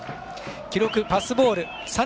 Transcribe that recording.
記録パスボール。